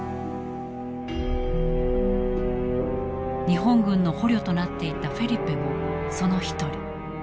日本軍の捕虜となっていたフェリペもその一人。